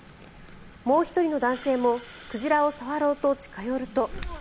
もう１人の男性も鯨を触ろうと近寄ると。